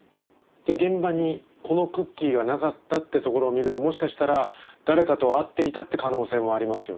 現場にこのクッキーがなかったってところを見るともしかしたら誰かと会っていたって可能性もありますよね。